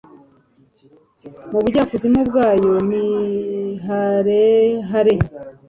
Mu bujyakuzimu bwayo ni harehare